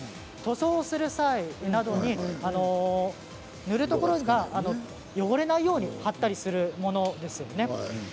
塗装する際などに塗るところが汚れないように貼ったりするものなんですね。